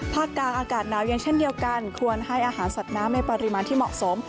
กลางอากาศหนาวเย็นเช่นเดียวกันควรให้อาหารสัตว์น้ำในปริมาณที่เหมาะสม